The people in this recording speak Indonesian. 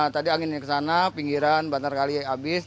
tadi anginnya ke sana pinggiran bantar kali habis